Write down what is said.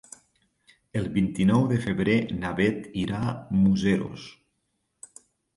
El vint-i-nou de febrer na Beth irà a Museros.